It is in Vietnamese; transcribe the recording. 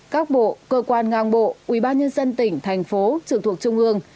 một mươi các bộ cơ quan ngang bộ ubnd tỉnh thành phố trường thuộc trung ương